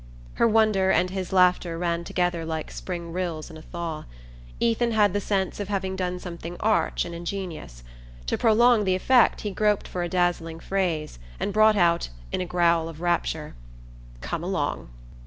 Her wonder and his laughter ran together like spring rills in a thaw. Ethan had the sense of having done something arch and ingenious. To prolong the effect he groped for a dazzling phrase, and brought out, in a growl of rapture: "Come along."